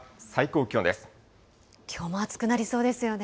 きょうも暑くなりそうですよ